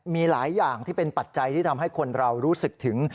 มีหลายอย่างที่เป็นปัจจัยที่ทำให้คนเรารู้สึกถึง